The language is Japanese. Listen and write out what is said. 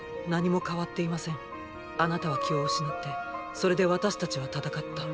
あなたは気を失ってそれで私たちは戦った。